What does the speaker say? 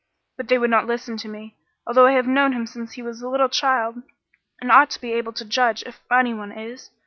But they would not listen to me, although I have known him since he was a little child, and ought to be able to judge, if anyone is.